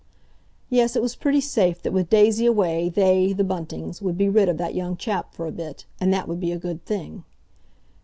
Yes, it was pretty safe that with Daisy away they, the Buntings, would be rid of that young chap for a bit, and that would be a good thing.